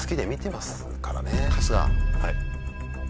はい。